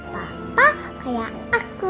bapak kayak aku